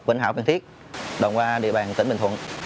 vĩnh hảo phan thiết đoạn qua địa bàn tỉnh bình thuận